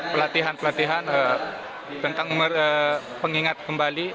pelatihan pelatihan tentang pengingat kembali